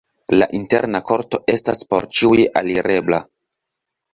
La interna korto estas por ĉiuj alirebla.